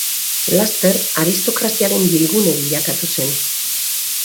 Laster aristokraziaren bilgune bilakatu zen.